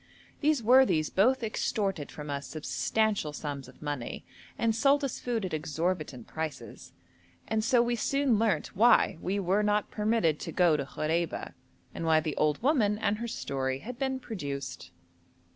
These worthies both extorted from us substantial sums of money and sold us food at exorbitant prices, and so we soon learnt why we were not permitted to go to Khoreba, and why the old woman and her story had been produced.